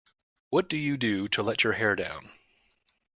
What do you do to let your hair down?